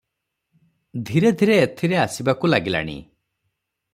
ଧୀରେ ଧୀରେ ଏଥିରେ ଆସିବାକୁ ଲାଗିଲାଣି ।